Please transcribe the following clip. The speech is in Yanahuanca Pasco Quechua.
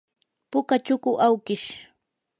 puka chuku awkish.